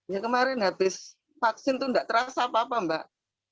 ya kemarin habis vaksin itu tidak terasa apa apa mbak